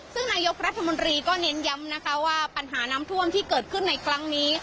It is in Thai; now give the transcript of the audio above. ซึ่งนายกรัฐมนตรีก็เน้นย้ำนะคะว่าปัญหาน้ำท่วมที่เกิดขึ้นในครั้งนี้